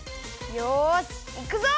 よしいくぞ！